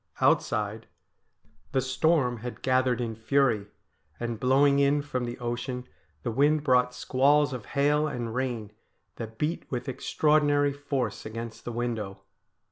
Outside the storm 60 STORIES WEIRD AND WONDERFUL had gathered in fury, and blowing in from the ocean the wind brought squalls of hail and rain that beat with extraordinary force against the window.